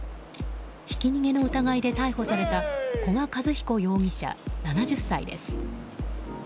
ひき逃げの疑いで逮捕された古賀和彦容疑者、７０歳です。